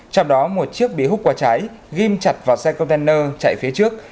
trong đó một chiếc bị hút qua trái ghim chặt vào xe container chạy phía trước